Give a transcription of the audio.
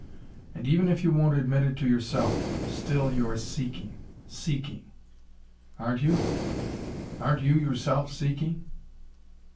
And even if you won't admit it to yourself, still you are seeking seeking. Aren't you? Aren't you yourself seeking?"